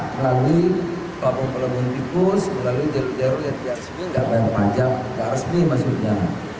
melalui pelabuhan pelabuhan tikus melalui derul derul yang diaksini tidak banyak panjang tidak resmi maksudnya